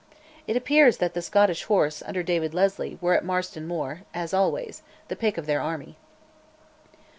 It appears that the Scottish horse, under David Leslie, were at Marston Moor, as always, the pick of their army.